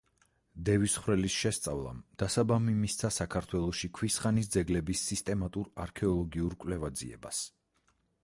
დევისხვრელის შესწავლამ დასაბამი მისცა საქართველოში ქვის ხანის ძეგლების სისტემატურ არქეოლოგიურ კვლევა-ძიებას.